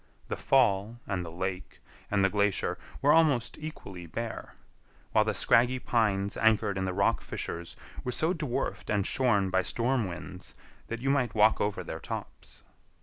The fall and the lake and the glacier were almost equally bare; while the scraggy pines anchored in the rock fissures were so dwarfed and shorn by storm winds that you might walk over their tops.